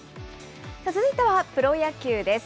続いてはプロ野球です。